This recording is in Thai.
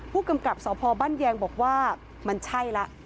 ผู้กำกับสพบ้านแยงบอกว่ามันใช่แล้ว